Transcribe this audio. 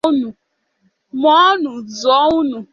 Mụọ nụ! Zụọ nụ!